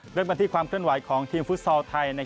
เริ่มกันที่ความเคลื่อนไหวของทีมฟุตซอลไทย